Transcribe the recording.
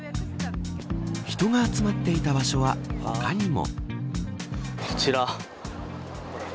人が集まっていた場所は他にも。